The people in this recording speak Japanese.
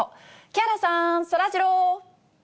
木原さん、そらジロー。